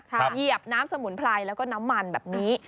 เหยียบน้ำสมุนไพรแล้วก็น้ำมันแบบนี้